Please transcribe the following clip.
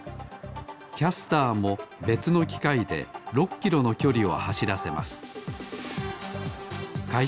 キャスターもべつのきかいで６キロのきょりをはしらせます。か